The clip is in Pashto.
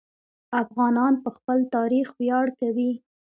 افغانان په خپل تاریخ ویاړ کوي.